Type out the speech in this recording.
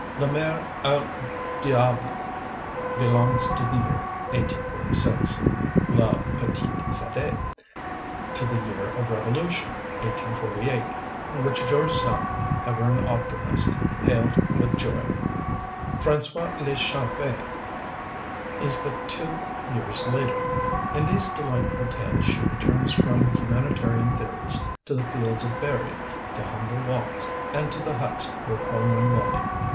La Mare au Diable belongs to the year 1846; La Petite Fadette, to the year of Revolution, 1848, which George Sand, ever an optimist, hailed with joy; Fran├¦ois le Champi is but two years later. In these delightful tales she returns from humanitarian theories to the fields of Berri, to humble walks, and to the huts where poor men lie.